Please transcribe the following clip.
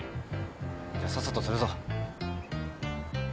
じゃさっさと釣るぞ。